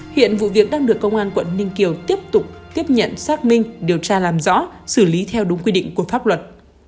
hiện vụ việc đang được công an quận ninh kiều tiếp tục tiếp nhận xác minh điều tra làm rõ xử lý theo đúng quy định của pháp luật